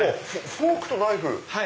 フォークとナイフ！